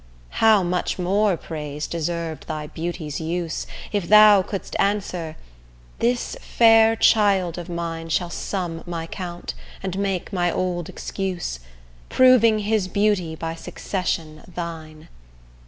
How much more praise deserv'd thy beauty's use, If thou couldst answer 'This fair child of mine Shall sum my count, and make my old excuse,' Proving his beauty by succession thine!